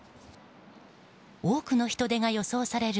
多くの人出が予想される